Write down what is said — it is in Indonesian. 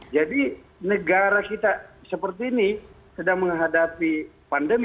jadi negara kita seperti ini sedang menghadapi pandemi